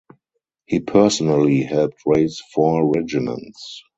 He personally helped raise four regiments.